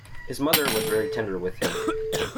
His mother was very tender with him.